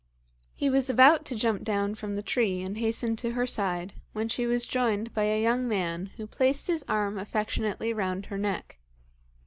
He was about to jump down from the tree and hasten to her side, when she was joined by a young man who placed his arm affectionately round her neck.